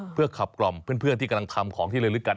เพื่อขับกล่อมเพื่อนที่กำลังทำของที่ละลึกกัน